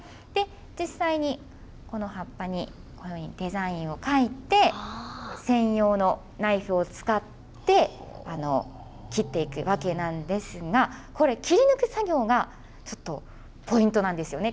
実際にこの葉っぱにこのようにデザインを描いて専用のナイフを使って切っていくわけなんですが、これ、切り抜く作業がちょっとポイントなんですよね。